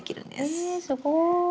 へえすごい。